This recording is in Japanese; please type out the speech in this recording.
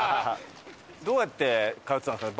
どうやって通ってたんですか？